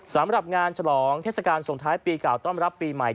สำหรับงานฉลองเทศกาลส่งท้ายปีเก่าต้อนรับปีใหม่